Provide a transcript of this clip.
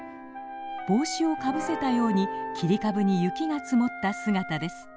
帽子をかぶせたように切り株に雪が積もった姿です。